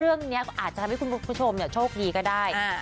เรื่องเนี้ยอาจจะทำให้คุณคุณผู้ชมเนี้ยโชคดีก็ได้อ่า